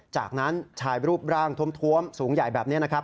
จากนั้นชายรูปร่างทวมสูงใหญ่แบบนี้นะครับ